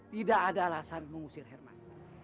tidak ada alasan mengusir herman